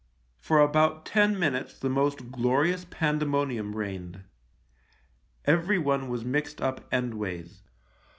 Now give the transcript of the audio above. For about ten minutes the most glorious pandemonium reigned : everyone was mixed up endways.